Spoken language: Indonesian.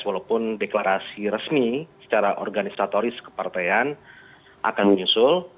walaupun deklarasi resmi secara organisatoris kepartean akan menyusul